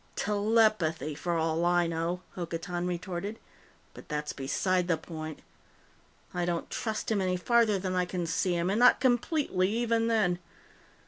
"Telepathy, for all I know!" Hokotan retorted. "But that's beside the point! I don't trust him any farther than I can see him, and not completely, even then.